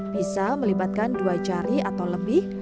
bisa melibatkan dua jari atau lebih